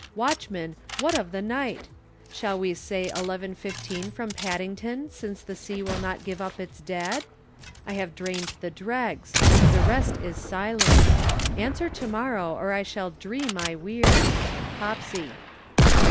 Watchman, what of the night? Shall we say 11.15 from Paddington since the sea will not give up its dead? I have drained the dregs. The rest is silence. Answer to morrow or I shall dree my weird. POPSY.'